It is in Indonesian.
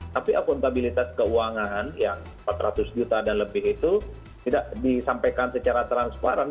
tapi akuntabilitas keuangan yang empat ratus juta dan lebih itu tidak disampaikan secara transparan